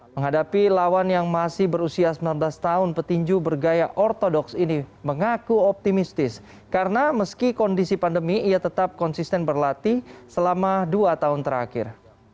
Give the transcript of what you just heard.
menghadapi lawan yang masih berusia sembilan belas tahun petinju bergaya ortodoks ini mengaku optimistis karena meski kondisi pandemi ia tetap konsisten berlatih selama dua tahun terakhir